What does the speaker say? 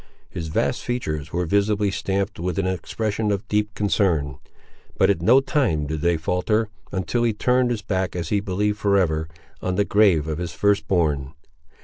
His vast features were visibly stamped with an expression of deep concern; but at no time did they falter, until he turned his back, as he believed for ever, on the grave of his first born.